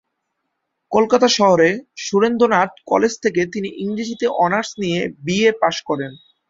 কলকাতা শহরে সুরেন্দ্রনাথ কলেজ থেকে তিনি ইংরেজিতে অনার্স নিয়ে বি এ পাশ করেন।